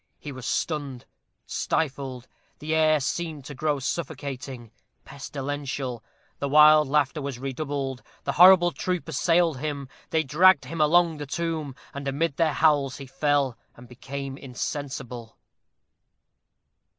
He was stunned, stifled. The air seemed to grow suffocating, pestilential; the wild laughter was redoubled; the horrible troop assailed him; they dragged him along the tomb, and amid their howls he fell, and became insensible.